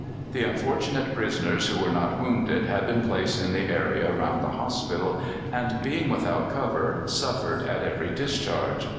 The unfortunate prisoners who were not wounded had been placed in the area round the hospital, and being without cover, suffered at every discharge.